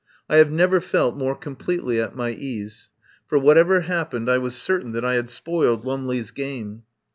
I have never felt more completely at my ease, for whatever happened I was certain that I had spoiled Lumley's game.